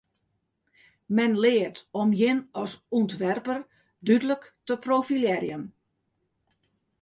Men leart om jin as ûntwerper dúdlik te profilearjen.